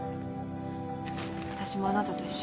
わたしもあなたと一緒。